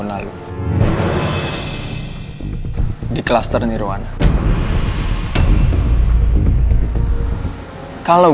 jangan takut aku